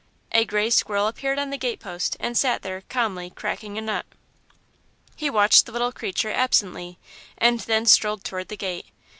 A grey squirrel appeared on the gate post, and sat there, calmly, cracking a nut. He watched the little creature, absently, and then strolled toward the gate.